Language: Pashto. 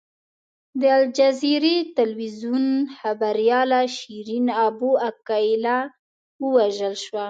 د الجزیرې ټلویزیون خبریاله شیرین ابو عقیله ووژل شوه.